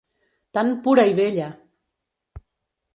Tan pura i bella!